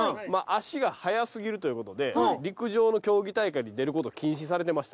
足が速過ぎるということで陸上の競技大会に出ること禁止されてました。